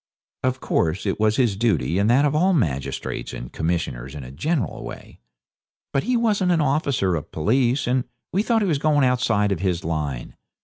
Of course, it was his duty and that of all magistrates and commissioners in a general way. But he wasn't an officer of police, and we thought he was going outside of his line.